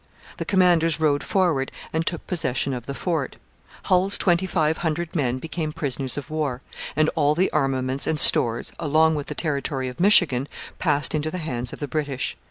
The commanders rode forward and took possession of the fort. Hull's twenty five hundred men became prisoners of war, and all the armaments and stores, along with the territory of Michigan, passed into the hands of the British.